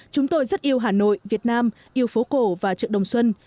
chúng tôi rất yêu hà nội việt nam yêu phố cổ và chợ đồng xuân